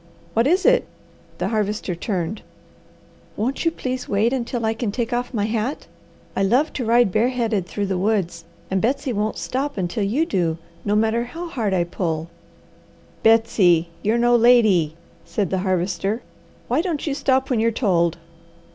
"What is it?" the Harvester turned. "Won't you please wait until I can take off my hat? I love to ride bareheaded through the woods, and Betsy won't stop until you do, no matter how hard I pull." "Betsy, you're no lady!" said the Harvester. "Why don't you stop when you're told?"